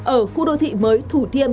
ở khu đô thị mới thủ thiêm